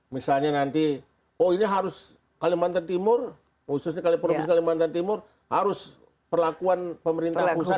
misalnya nanti oh ini harus kalimantan timur khususnya kalau provinsi kalimantan timur harus perlakuan pemerintah pusat